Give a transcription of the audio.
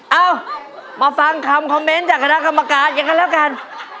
เอ้ามาฟังคำข้อมี่จากธกรามการยังนะแล้วกัน